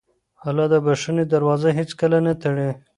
الله د بښنې دروازه هېڅکله نه تړي.